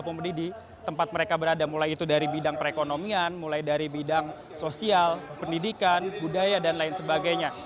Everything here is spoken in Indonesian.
pemudi di tempat mereka berada mulai itu dari bidang perekonomian mulai dari bidang sosial pendidikan budaya dan lain sebagainya